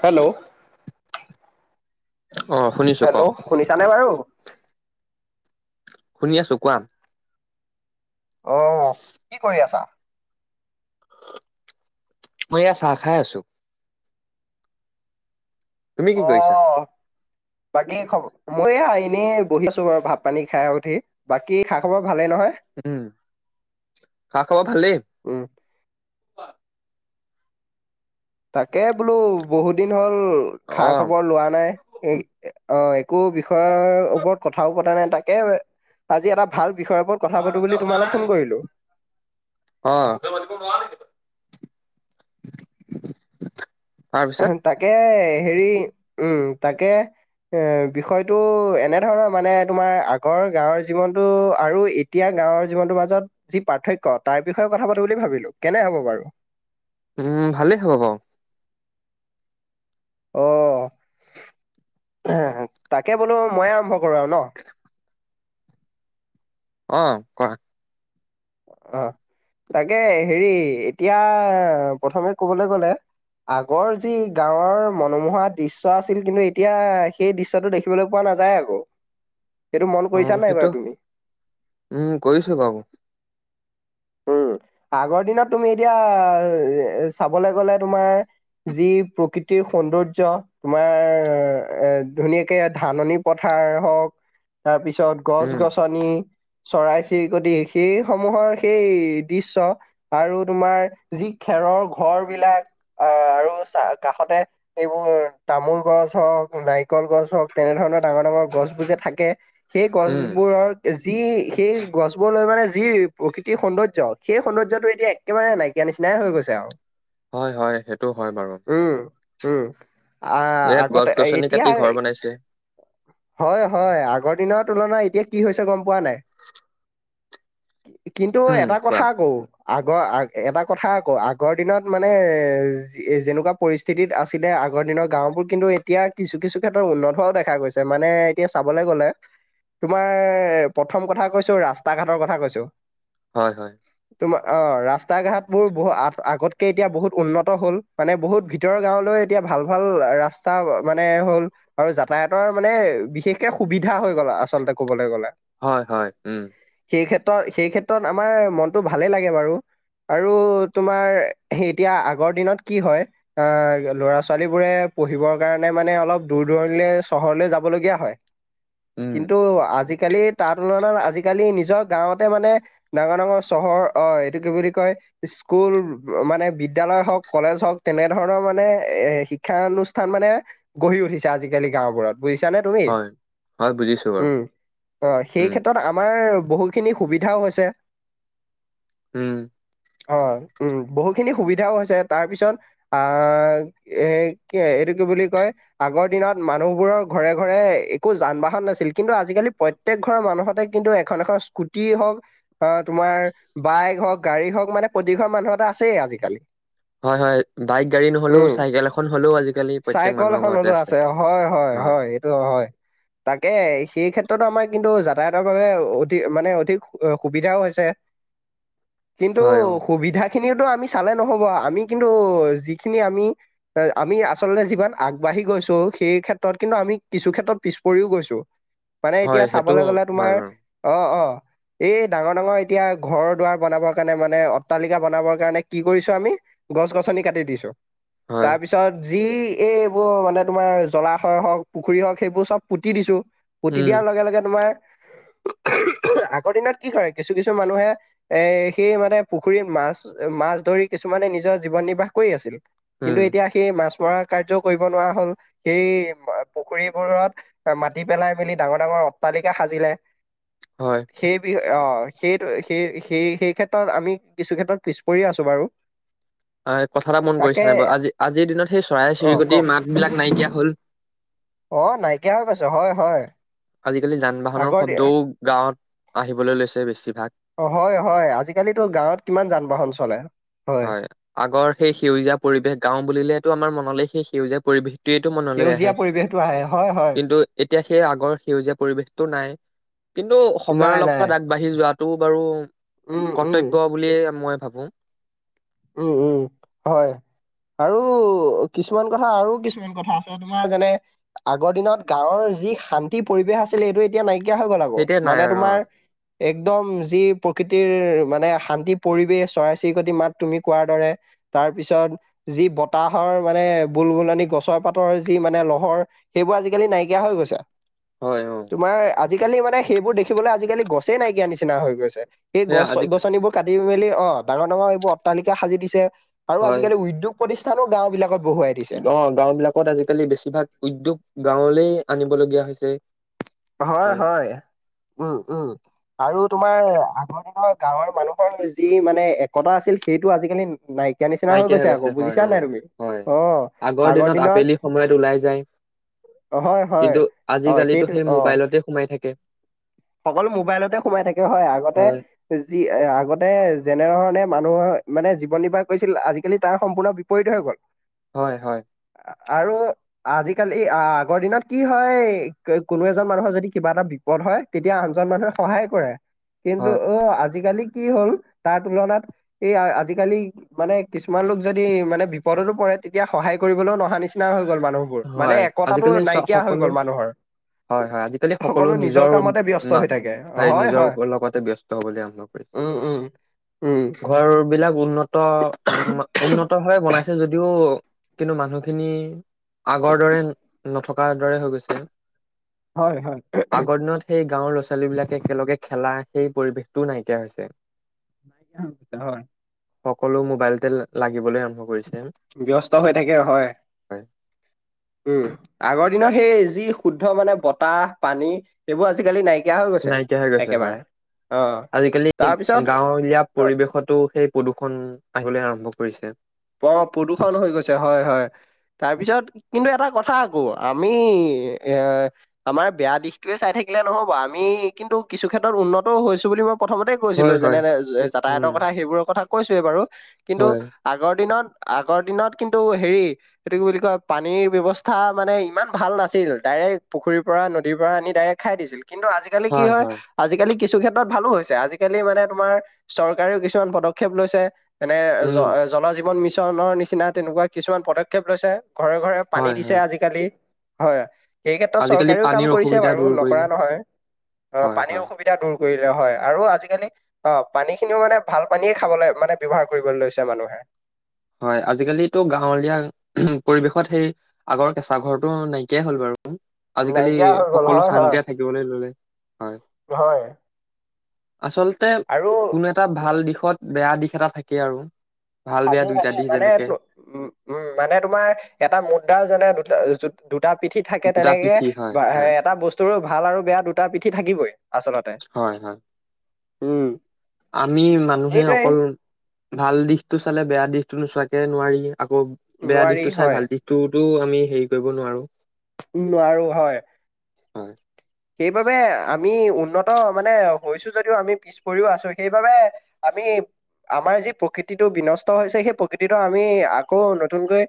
Hello? অ শুনিছো কওক হেল্ল' শুনিছানে বাৰু? শুনি আছোঁ কোৱা। অ', কি কৰি আছা? মই এয়া চাহ খাই আছোঁ। তুমি অ কি কৰিছা? বাকী খব, মই এইয়া এনেই বহিছো বাৰু ভাত পানী খাই উঠি, বাকী খা খবৰ ভালেই নহয় উম, খা খাবৰ ভালেই। উম তাকে বোলো বহুত দিন হ'ল, খা অ খবৰ লোৱা নাই [unintelligible] অ', একো বিষয়ৰ ওপৰত কথাও পতা নাই তাকে, আজি এটা ভাল বিষয়ৰ ওপৰত কথা পাতো বুলি তোমালে ফোন কৰিলোঁ। অ' [unintelligible] তাৰপিছত তাকে হেৰি, উম তাকে। এ বিষয়টো এনে ধৰণৰ মানে তোমাৰ আগৰ গাঁৱৰ জীৱনটো আৰু এতিয়াৰ গাঁৱৰ জীৱনটোৰ মাজত যি পাৰ্থক্য তাৰ বিষয়ে কথা পাতো বুলি ভাবিলোঁ, কেনে হ'ব বাৰু? উম, ভালে হ'ব বাউ। অ', তাকে বোলো মই আৰম্ভ কৰোঁ আৰু ন'। অ', কোৱা। অ', তাকে হেৰি এতিয়া, প্ৰথমে ক'বলে গ'লে আগৰ যি গাঁৱৰ মনোমোহা দৃশ্য আছিল কিন্তু এতিয়া সেই দৃশ্যটো দেখিবলৈ পোৱা নাযায় আকৌ, সেইটো মন অ কৰিছা নাই সেইটো বাৰু তুমি। উম কৰিছো বাৰু উম, আগৰ দিনত তুমি এতিয়া চাবলৈ গ'লে তোমাৰ যি প্ৰকৃতিৰ সৌন্দৰ্য তোমাৰ এ ধুনীয়াকে ধাননি পথাৰ হওক তাৰ পিছত গছ উম গছনি চৰাই চিৰিকটি সেই সমূহৰ সেই দৃশ্য আৰু তোমাৰ যি খেৰৰ ঘৰ বিলাক আহ আৰু কাষতে এইবোৰ তামোল গছ হওঁক নাৰিকল গছ হওক তেনেধৰণৰ ডাঙৰ ডাঙৰ গছ বোৰ যে থাকে সেই গছ উম যি সেই গছবোৰলৈ মানে যি প্ৰকৃতিৰ সৌন্দৰ্য্য সেই সৌন্দৰ্যটো এতিয়া একেবাৰে নাইকিয়া নিচিনাই হৈ গৈছে আও হয় হয় সেইটো হয় বাৰু উম আহ এ গছ আগতে গছনি এতিয়া কাটি ঘৰ বনাইছে হয় হয় আগৰ দিনৰ তুলনা এতিয়া কি হৈছে গম পোৱা নাই কিন্তু উম এটা কোৱা কথা আকৌ আগৰ আ এটা কথা আকৌ আগৰ দিনত মানে এ যেনেকুৱা পৰিস্থিতিত আছিলে আগৰ দিনৰ গাঁওবোৰ কিন্তু এতিয়া কিছু কিছু ক্ষেত্ৰত উন্নত হোৱাও দেখা গৈছে মানে এতিয়া চাবলে গলে তোমাৰ প্ৰথম কথা কৈছো ৰাস্তা ঘাটৰ কথা কৈছো হয় হয় তোমাৰ অ ৰাস্তা ঘাট বোৰ বহ আগতকে এতিয়া বহুত উন্নত হ'ল মানে বহুত ভিতৰৰ গাঁৱলৈ এতিয়া ভাল ভাল ৰাস্তা মানে হ'ল আৰু যাতায়াতৰ মানে বিশেষকে সুবিধা হৈ গ'ল আচলতে ক'বলে গ'লে হয় হয় উম সেই ক্ষেত্ৰত সেই ক্ষেত্ৰত আমাৰ মনটো ভালেই লাগে বাৰু আৰু তোমাৰ এতিয়া আগৰ দিনত কি হয় আহ ল'ৰা ছোৱালীবোৰে পঢ়িবৰ কাৰণে মানে অলপ দূৰ দূৰণিলে চহৰলে যাবলগীয়া হয় উম কিন্তু আজিকালি তাৰ তুলনাত আজিকালি নিজৰ গাৱত ততে মানে ডাঙৰ - ডাঙৰ চহৰ অ, এইটো কি বুলি কয় স্কুল মানে বিদ্য়ালয় হওক। কলেজ হওক তেনেধৰণৰ মানে এ শিক্ষানুষ্ঠান মানে গঢ়ি উঠিছে আজিকালি গাওবোৰত বুজিছানে তুমি হয় হয় বুজিছো বাৰু উম, অ, সেই উম ক্ষেত্ৰত আমাৰ বহু খিনি সুবিধাও হৈছে। উম, অ, উম, বহুখিনি সুবিধাও হৈছে তাৰ পিছত আহ এ কি এইটো বুলি কয় আগৰ দিনত মানুহবোৰৰ ঘৰে - ঘৰে একো যান বাহন নাছিল কিন্তু আজিকালি প্ৰত্যেক ঘৰৰ মানুহতে কিন্তু এখন - এখন স্কুটি। কি হওক অ, তোমাৰ বাইক হওক গাড়ী হওক মানে প্ৰতিঘৰ মানুহ এটা আছেই আজিকালি। হয় - হয় বাইক গাড়ী নহ'লেও উম চাইকেল এখন হ'লেও আজিকালি প্ৰত্যেক চাইকল মানুহৰ এখন ঘৰতে হলেও আছে। হয় হয় হয় এইটো হয় তাকে সেই ক্ষেত্ৰত ক্ষেত্ৰত আমাৰ কিন্তু যাতায়াতৰ বাবে অধ মানে অধিক সুবিধাও হৈছে। কিন্তু হয়, অ, সুবিধা স খিনি আমি চালে নহ'ব আমি কিন্তু যিখিনি আমি- আমি আচলতে যিমান আগবাঢ়ি আহি গৈছো সেই ক্ষেত্ৰত কিন্তু আমি কিছু ক্ষেত্ৰত পিছ পৰিও গৈছো। মানে হয় এতিয়া সেইটো চাবলৈ গ'লে হয় তোমাৰ বাৰু। অ - অ। এই ডাঙৰ - ডাঙৰ এতিয়া ঘৰৰ দুৱাৰ বনাবৰ কাৰণে মানে অট্টালিকা বনাবৰ কাৰণে কি কৰিছো আমি গছ গছনি কাটি দিছো হয়, তাৰ পিছত যি এই এইবোৰ মানে তোমাৰ জলাশয় হওক পুখুৰী হওক সেইবোৰ চব পুতি দিছো। পুতি উম, দিয়াৰ লগে- লগে তোমাৰ আগৰ দিনত কি কৰে কিছু - কিছু মানুহে এ সেই মানে পুখুৰীত মাছ - মাছ ধৰি কিছুমানে নিজ নিজৰ জীৱন নিৰ্বাহ কৰি আছিল উম, কিন্তু এতিয়া সেই মাছ মৰা কাৰ্য কৰিব নোৱাৰা হ'ল সেই পুখুৰীবোৰত মাটি পেলাই মেলি ডাঙৰ- ডাঙৰ অট্টালিকা সাজিলে। হয়। সেই বি অ, সেইটো সেই- সেই- সেই ক্ষেত্ৰত আমি কিছু ক্ষেত্ৰত পিছ পৰিয়ে আছো বাৰু। অ, কথা এটা মন তাকে কৰিছে নাই বাৰু আজি- আজিৰ দিনত সেই চৰাই অ চিৰিকটি কওক মাত বিলাক নাইকিয়া হল। অ, নাইকিয়া হৈ গৈছ। আজিকালি যান বাহনৰ আগৰ দি শব্দও গাৱত আহিবলৈ লৈছে বেছি অ, হয় - হয় আজিকালিতো গাৱত কিমান যান বাহন চলে। হয় আগৰ সেই সেউজীয়া পৰিবেশ গাও বুলিলেতটো আমাৰ মনলে সেই সেউজীয়া পৰিবেশ সেইটো মনলৈ আহে সেউজীয়া পৰিৱেশটো আহে হয় হয় কিন্তু এতিয়া সেই আগৰ সেউজীয়া পৰিৱেশতটো নাই কিন্তু সময়ৰ নাই নাই লগত আগবাঢ়ি যোৱাত সেইটো বাৰু উম, উম, কৰ্তব্য বুলিয়ে মই ভাবো। উম - উম হয়। আৰু কিছুমান কথা আৰু কিছুমান কথা আছে তোমাৰ যেনে আগৰ দিনত গাৱৰ যি শান্তি পৰিৱেশ আছিলে এইটো এতিয়া নাইকিয়া হৈ গ'ল আকৌ তেতিয়া নাই মানে আৰু অ, তোমাৰ একদম যি প্ৰকৃতিৰ মানে শান্তি পৰিৱেশ চৰাই চিৰিকটি মাত তুমি কোৱাৰ দৰে তাৰ পিছত যি বতাহৰ মানে বুলবুলনি গছৰ পাতৰ যি মানে লহৰ সেইবোৰ আজিকালি নাইকিয়া হৈ গৈছে। হয় অ, তোমাৰ আজিকালি মানে সেইবোৰ দেখিবলৈ আজিকালি গছেই নাইকিয়া নিচিনা হৈ গৈছে। সেই সেয়া গছ আজিকালি গছনিবোৰ কাটি মেলি অ, ডাঙৰ - ডাঙৰ এইবোৰ অট্টালিকা সাজি দিছে। আৰু হয়। আজিকালি উদ্যোগ প্ৰতিষ্ঠানো গাও বিলাকত বহুৱাই দিছে। অ, গাও বিলাকত আজিকালি বেছিভাগ উদ্যোগ গাৱলে আনিবলগীয়া হৈছে। হয় - হয়, উম - উম। আৰু তোমাৰ আগুনৰ গাৱৰ মানুহৰ যি মানে একতা আছিল সেইটো আজিকালি নাই নিচিনা নাইকিয়া হৈ আকৌ গৈছে হয় বুজিছা অ, তুমি? হয় অ আগৰ দিনত আবেলি সময়ত ওলাই যায়। হয় হয়। কিন্তু অ আজিকালিতো সেইটো সেই অ মোবাইলতে সোমাই থাকে। সকলো মোবাইলতে সোমাই থাকে হয় আগতে যি আগতে যেনেধৰণে মানুহৰ মানে জীৱন নিৰ্বাহ কৰিছিল আজিকালি তাৰ সম্পূৰ্ণ বিপৰীত হৈ গ'ল হয় হয় [inaudible] আৰু আজিকালি আগৰ দিনত কি হয় কোনো এজন মানুহৰ যদি কিবা এটা পদ হয় তেতিয়া আনজন মানুহে সহায় কৰে কিন্তু হয়, অ আজি আজিকালি কি হ'ল তাৰ তুলনাত এই আজিকালি মানে কিছুমান লোক যদি মানে বিপদ পৰে তেতিয়া সহায় কৰিবলৈও অহা নিচিনা হৈ গ'ল মানুহবোৰ মানে হয় একতাটো আজিকালি চ নাইকিয়া হৈ সকলো গ'ল মানুহৰ হয় হয় আজিকালি সকলো নিজৰ কামতে নিজৰ ব্যস্ত মাক হৈ থাকে হয় নিজৰ হয় লগতে ব্যস্ত হবলৈ আৰম্ভ কৰিছে উম উম উম [inaudible] ঘৰ বিলাক উন্নত উ উন্নত ভাৱে বনাইছে যদিও কিন্তু মানুহখিনি [inaudible] আগৰ দৰে নথকাৰ দৰে হৈ গৈছে হয় হয় [inaudible] আগৰ দিনত সেই গাঁওৰ ল'ৰা ছোৱালী বিলাকে একেলগে খেলা সেই পৰিৱেশটোও নাইকিয়া হৈছে [inaudible] [unintelligible] সকলো মোবাইলতে লাগিবলৈ কৰিছে। ব্যস্ত হৈ থাকে হয় হয়, উম আগৰ দিনৰ সেই যি শুদ্ধ মানে বতাহ পানী সেইবোৰ আজিকালি নাইকিয়া হৈ গৈছে নাইকিয়া হৈ গৈছে হয় একেবাৰে। অ [inaudible] আজিকালি তাৰপিছত গাঁৱলীয়া অ পৰিৱেশতো সেই প্ৰদূৰষণ আহিবলৈ আৰম্ভ কৰিছে অ প্ৰদূষণ হৈ গৈছে হয় হয় তাৰপিছত কিন্তু এটা কথা আকৌ আমি এ আমাৰ বেয়া দিশতয়ে চাই থাকিলে নহব আমি কিন্তু কিছু ক্ষেত্ৰত উন্নত হৈছো বুলি মই প্ৰথমতে কৈছিলো হয় যেনে হয় উম যাতায়াতৰ কথা সেইবোৰৰ কথা কৈছোৱেই বাৰু কিন্তু হয় আগৰ দিনত আগৰ দিনত কিন্তু হেৰি এইটো কি বুলি কয় পানীৰ ব্যৱস্থা মানে ইমান ভাল নাছিল ডাইৰেক্ট পুখুৰীৰ পৰা নদীৰ পৰা আনি ডাইৰেক্ট খাই দিছিল কিন্তু আজিকালি কি হয় আজিকালি কিছু ক্ষেত্ৰত ভালো হৈছে আজিকালি মানে তোমাৰ চৰকাৰেও কিছুমান পদক্ষেপ লৈছে এনে জ উম জল জীৱন মিছনৰ নিচিনা তেনেকুৱা কিছুমান পদক্ষেপ লৈছে ঘৰে ঘৰে পানী হয় দিছে হয়। আজিকালি হয় সেই ক্ষেত্ৰত আজিকালি চৰকাৰেও কাম পানীৰ কৰিছে অসুবিধা বাৰু দূৰ নকৰা কৰিলে নহয় অ হয় পানীৰ হয় অসুবিধা দূৰ কৰিলে হয় আৰু আজিকালি অ পানী খিনিও মানে ভাল পানীয়ে খাবলৈ মানে ব্যৱহাৰ কৰিবলৈ লৈছে মানুহে হয় আজিকালিতো গাঁৱলীয়া পৰিৱেশত সেই আগৰ কেঁচা ঘৰটো নাইকিয়াই হ'ল বাৰু আজিকালি নাইকিয়া হৈ গ'ল সকলো হয় হয় শান্তিয়ে থাকিবলৈ ললে হয় হয় আচলতে আৰু কোনো এটা ভাল দিশত বেয়া দিশ এটা থাকে আৰু ভাল বেয়া থাকে দি থাকে মানে উ উম মানে তোমাৰ এটা মুদ্ৰা যেনে দুটা দুটা পিঠি থাকে দুটা তেনেকে এ পিঠি হয়, হয়, এটা বস্তুৰ ভাল আৰু বেয়া দুটা পিঠি থাকিবই আচলতে হয়, হয়। উম আমি মানুহে সেইটোৱে অকল ভাল দিশতটো চালে বেয়া দিশতো নোচোৱাকে নোৱাৰিলো আকৌ বেয়া নোৱাৰি দিশতটো চাই হয় ভাল দিশটোতো আমি হেৰি কৰিব নোৱাৰো উ নোৱাৰো হয় হয় সেইবাবে আমি উন্নত মানে হৈছো যদিও আমি পিছ পৰিৰিও আছো সেইবাবে আমি আমাৰ যি প্ৰকৃতিটো বিনষ্ট হৈছে সেই প্ৰকৃতিটো আমি আকৌ নতুনকৈ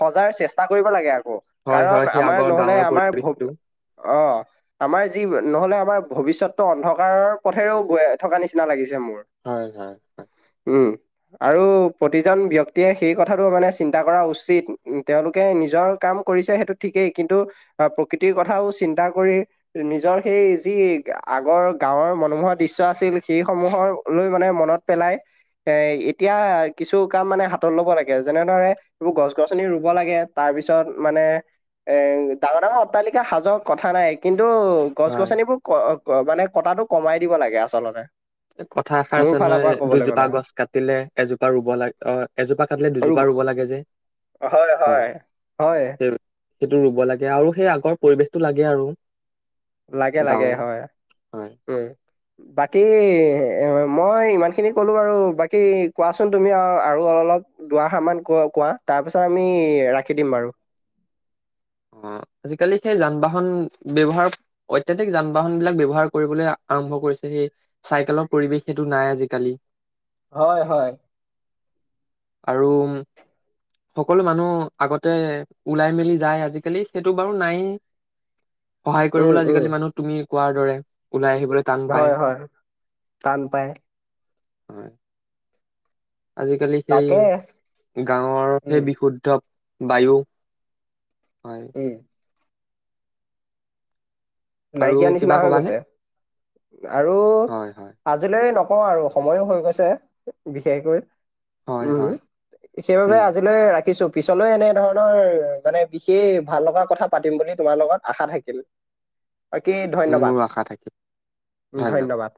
সজাৰ চেষ্টা চেষ্টা কৰিব লাগে আকৌ হয়, কাৰণ হয়, সেই আমাৰ আগৰ নহলে গাঁৱৰ আমাৰ পৰিৱেশটো। অ আমাৰ যি নহলে আমাৰ ভৱিষ্যতটো অন্ধকাৰৰ পথেৰেও গৈ থকা নিচিনা লাগিছে মোৰ হয়, হয়, হয়, উম আৰু প্ৰতিজন ব্যয়ক্তিয়ে সেই কথাটো মানে চিন্তা কৰা উচিত তেওঁলোকে নিজৰ কাম ক কৰিছে সেইটো ঠিকেই কিন্তু প্ৰকৃতিৰ কথাও চিন্তা কৰি নিজৰ সেই যি আগৰ গাঁৱৰ মনোমোহৰ দৃশ্যৰ আছিল সেই সমূহ লৈ মানে মন পেলাই এ এতিয়া কিছু কাম মানে হাতত ল'ব লাগে যেনে ধৰে এইবোৰ গছ গছনি ৰুব লাগে তাৰ পিছত মানে এ ডাঙৰ ডাঙৰ অট্টালিকা সাজক কথা নাই কিন্তু টো গছ হয়। গছনিবোৰ মানে কটাটো কমাই দিব লাগে আচলতে কথা এষাৰ মোৰ আছে ফালৰ নহয় পৰা ক'বলৈ দুজোপা গ'লে। গছ কাটিলে এজোপা ৰুব লাগে অ এজোপা কাটিলে আৰু দুজোপা লাগে যে হয় হয় হয় সেই সেইটো ৰুব লাগে আৰু সেই আগৰ পৰিবেশতটো লাগে আৰু লাগে লাগে গাঁৱৰ হয় হয়। উম বাকী মই ইমান খিনি কলো বাৰু বাকী কোৱাচোন তুমি আৰু অলপ দআশাৰান ক কোৱা তাৰপিছত আমি ৰাখি দিম বাৰু অ আজিকালি সেই যান বাহন ব্যৱহাৰ অত্যাধিক যান বাহন বিলাক ব্যৱহাৰ কৰিবলৈ আৰম্ভ কৰিছে সেই চাইকেলৰ পৰিৱেশ সেইটো নাই আজিকালি হয় হয় আৰু সকলো মানুহ আগতে ওলাই মেলি যায় আজিালি আজিকালি সেইটো বাৰু নাই সহায় উম, কৰিবলৈ উম, আজিকালি মানুহ তুমি কোৱাৰ দৰে ওলাই আহিবলৈ টান পায় হয়, হয়, টান পায় হয় আজিকালি সেই তাকে, গাঁৱৰ সেই উম, বিশুদ্ধ বায়ু হয় উম, আৰু নাইকিয় কিবা নিচিনা হৈ কবানে গৈছে আৰু হয় হয় আজিলৈ ন ক আৰু সময়ো হৈ গৈছে বিশেষকৈ হয় উম হয় সেইবাবে উম আজিলৈ ৰাখিছো পিছলৈ এনে ধৰণৰ মানে বিশেষ ভাল লগা কথা পাতিম বুলি তোমাৰ লগত আশা থাকিল বাকি ধন্যবাদ মোৰো আশা থাকিল ধন্যবাদ